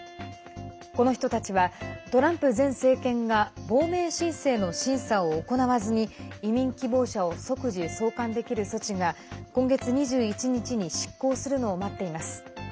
この人たちはトランプ前政権が亡命申請の審査を行わずに移民希望者を即時送還できる措置が今月２１日に失効するのを待っています。